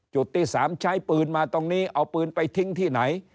จุดที่๓ใช้ปืนมาตรงนี้เอาปืนไปทิ้งที่ไหน